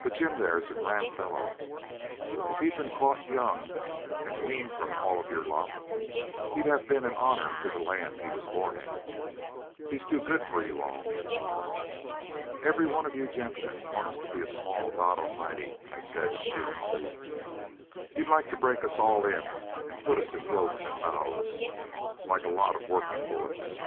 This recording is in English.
But Jim there's a grand fellow; if he'd been caught young and weaned from all of your lot, he'd have been an honour to the land he was born in. He's too good for you all.' 'Every one of you gentlemen wants to be a small God Almighty,' I said impudently. 'You'd like to break us all in and put us in yokes and bows, like a lot of working bullocks.'